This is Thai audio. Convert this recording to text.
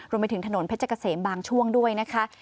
รวมไปถึงถนนเพชรเกษมบางช่วงด้วยนะคะ